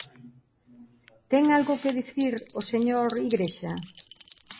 ¿Ten algo que dicir o señor Igrexa?